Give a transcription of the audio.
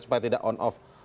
supaya tidak on off